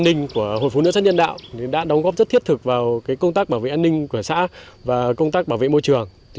gia đình của hội phụ nữ xã nhân đạo đã đóng góp rất thiết thực vào công tác bảo vệ an ninh của xã và công tác bảo vệ môi trường